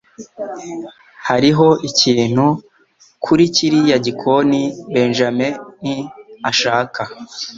Hariho ikintu kuri kiriya gikoni Benjamin ashaka.